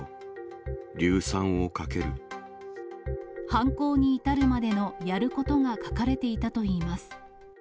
犯行に至るまでのやることが書かれていたといいます。